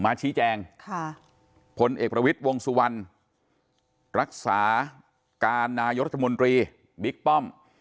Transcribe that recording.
ชี้แจงผลเอกประวิทย์วงสุวรรณรักษาการนายกรัฐมนตรีบิ๊กป้อม